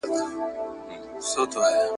دلته خلک په پردي آذان ویښیږي ,